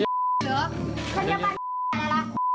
อ้าว